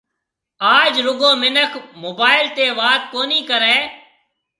آج رُگو منک موبائل تيَ وات ڪونِي ڪرَي